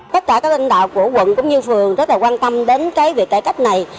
tất cả các lãnh đạo của quận cũng như phường rất quan tâm đến việc cải cách này